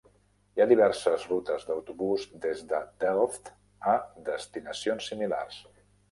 Hi ha diverses rutes d'autobús des de Delft a destinacions similars.